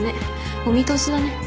お見通しだね。